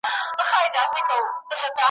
غر که هر څومره وي لوړ پر سر یې لار سته ,